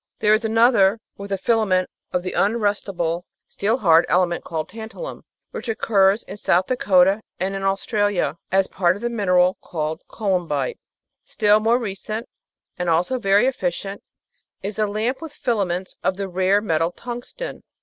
There is another with a filament of the unrustable, steel hard, element called tantalum, which oc curs in South Dakota and in Australia, as part of the mineral called columbite. Still more recent, and also very efficient, is the lamp with filaments of the rare metal tungsten.